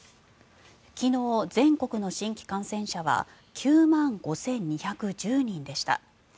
昨日、全国の新規感染者は９万５２１０人でした。